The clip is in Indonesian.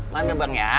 maaf ya bang